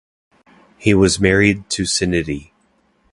He was married to Suniti.